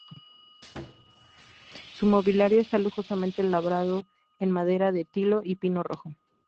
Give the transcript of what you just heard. Su mobiliario está lujosamente labrado en madera de tilo y pino rojo.